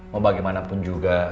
mau bagaimanapun juga